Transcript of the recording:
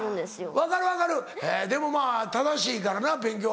分かる分かるでもまぁ正しいからな勉強。